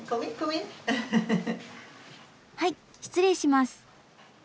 はい失礼します。